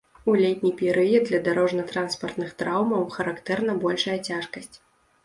У летні перыяд для дарожна-транспартных траўмаў характэрна большая цяжкасць.